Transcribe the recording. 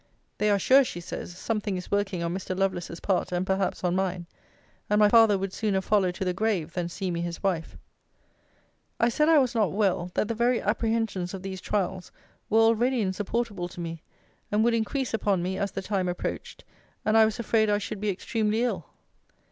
They are sure, she says, something is working on Mr. Lovelace's part, and perhaps on mine: and my father would sooner follow to the grave, than see me his wife. I said, I was not well: that the very apprehensions of these trials were already insupportable to me; and would increase upon me, as the time approached; and I was afraid I should be extremely ill.